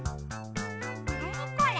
なにこれ？